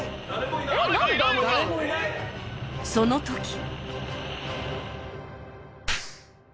その時